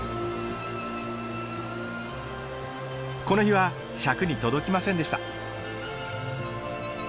この日は尺に届きませんでした。